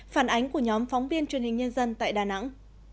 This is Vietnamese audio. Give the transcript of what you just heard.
phản ánh của nhóm phóng viên truyền hình nhân dân tại đà nẵng